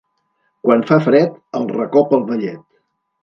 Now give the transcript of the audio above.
Quan fa fred, el racó pel vellet.